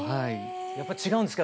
やっぱ違うんですか？